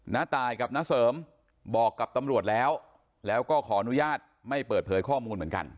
น้าตายกับน้าเสริมบอกกับตำรวจแล้วแล้วก็ขออนุญาตไม่เปิดเผยข้อมูลเหมือนกัน